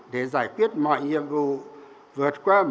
để giải quyết mọi nhiệm vụ